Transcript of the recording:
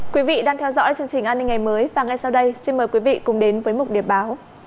quý vị đang theo dõi chương trình an ninh ngày mới và ngay sau đây xin mời quý vị cùng đến với mục điệp báo